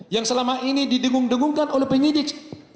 yang selama ini didengung dengungkan oleh penyidik